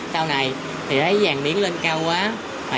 sau này thì thấy vàng miếng lên cao quá